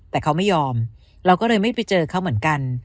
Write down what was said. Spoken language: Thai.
แต่เขาไม่ยอมเราก็เลยไม่ไปเจอเขาเหมือนกัน